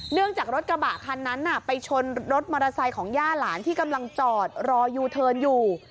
เนื่องจากรถกระบะคันนั้นไปชนรถมอเตอร์ไซค์ของย่าหลานที่กำลังจอดรอยูเทิร์นอยู่